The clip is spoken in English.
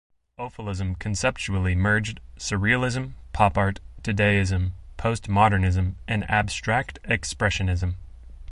Offalism conceptually merged Surrealism, Pop Art, Dadaism, Postmodernism and Abstract Expressionism.